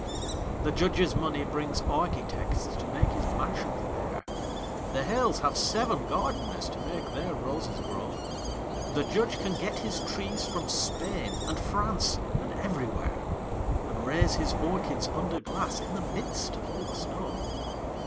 The Judge's money brings architects to make his mansion fair; The Hales have seven gardeners to make their roses grow; The Judge can get his trees from Spain and France and everywhere, And raise his orchids under glass in the midst of all the snow.